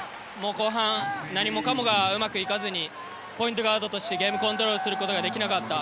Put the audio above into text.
後半、何もかもがうまくいかずにポイントガードとしてゲームコントロールすることができなかった。